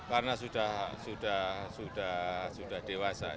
karena sudah dewasa